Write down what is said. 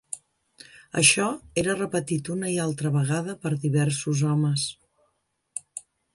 Això era repetit una i altra vegada per diversos homes